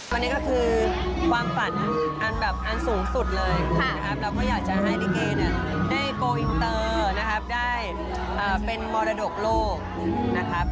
วันนี้ก็คือความฝันอันแบบอันสูงสุดเลยนะครับเราก็อยากจะให้ลิเกเนี่ยได้โกลอินเตอร์นะครับได้เป็นมรดกโลกนะครับ